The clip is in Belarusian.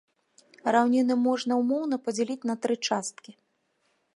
Раўніны можна ўмоўна падзяліць на тры часткі.